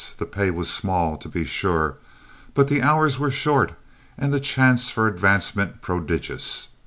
The pay was small, to be sure, but the hours were short and the chance for advancement prodigious.